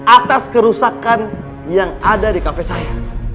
atas kerusakan yang ada di kafe saya